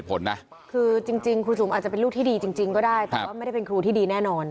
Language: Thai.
เป็นลูกที่ดีจริงก็ได้แต่ว่าไม่ได้เป็นครูที่ดีแน่นอน